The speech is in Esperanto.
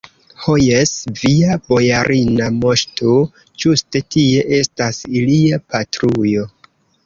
Ho, jes, via bojarina moŝto, ĝuste tie estas ilia patrujo.